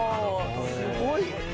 すごい。